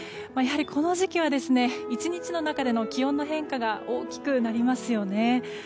やはり、この時期は１日の中での気温の変化が大きくなりますよね。